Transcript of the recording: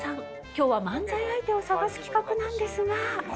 今日は漫才相手を探す企画なんですが。